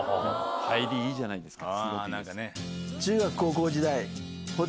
入りいいじゃないですか。